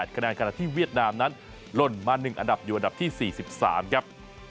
คะแนนขณะที่เวียดนามนั้นล่นมา๑อันดับอยู่อันดับที่๔๓ครับ